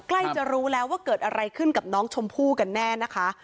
ใกล้จะรู้แล้วว่าเกิดอะไรขึ้นกับน้องชมพู่กันแน่นะคะ